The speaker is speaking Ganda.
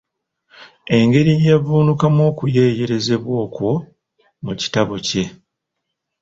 Engeri gye yavvuunukamu okukeeyerezebwa okwo mu kitabo kye.